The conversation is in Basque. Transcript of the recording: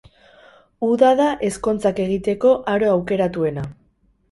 Uda da ezkontzak egiteko aro aukeratuena.